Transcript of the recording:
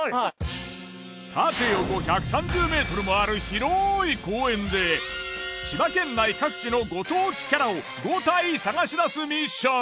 縦横１３０ｍもある広い公園で千葉県内各地のご当地キャラを５体探し出すミッション。